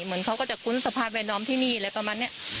เหมือนเขาก็จะคุ้นสภาพแวดล้อมที่นี่อะไรประมาณนี้